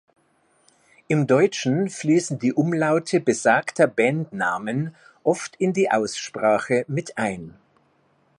Im Deutschen fließen die Umlaute besagter Bandnamen oft in die Aussprache mit ein.